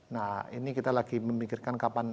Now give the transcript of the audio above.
nah ini kita lagi memikirkan kapan